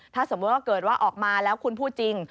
ถ้าสมมุติว่าเกิดว่าออกมาแล้วคุณพูดจริง